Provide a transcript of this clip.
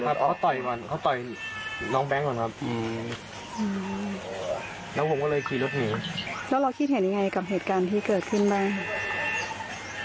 แล้วเราคิดเห็นยังไงกับเหตุการณ์ที่เกิดขึ้นบ้างค่ะ